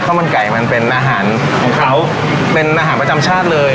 มันไก่มันเป็นอาหารของเขาเป็นอาหารประจำชาติเลย